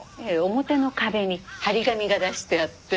表の壁に貼り紙が出してあって。